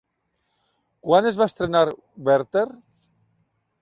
Quan es va estrenar Werther?